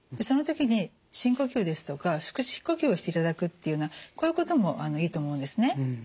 その時に深呼吸ですとか腹式呼吸をしていただくっていうようなこういうこともいいと思うんですね。